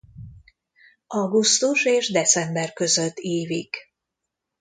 Augusztus és december között ívik.